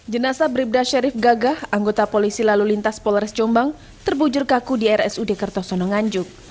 jenasa bribda syarif gagah anggota polisi lalu lintas polres jombang terbujur kaku di rsud kertosono nganjuk